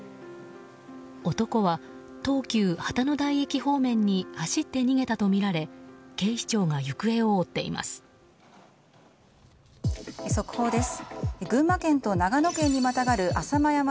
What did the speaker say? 男は東急旗の台駅方面に走って逃げたとみられ速報です。